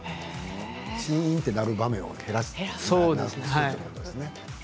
シーンとなる部分を減らすということですね。